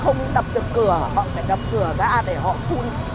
không đập được cửa họ phải đập cửa ra để họ phun